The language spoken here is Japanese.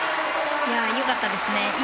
良かったですね。